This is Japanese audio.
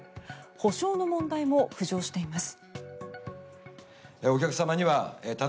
補償の問題も浮上しています。